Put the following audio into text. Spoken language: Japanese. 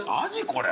これ。